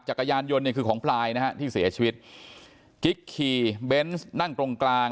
จักรยานยนต์เนี่ยคือของพลายนะฮะที่เสียชีวิตกิ๊กขี่เบนส์นั่งตรงกลาง